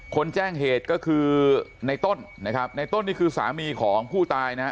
แจ้งเหตุก็คือในต้นนะครับในต้นนี่คือสามีของผู้ตายนะฮะ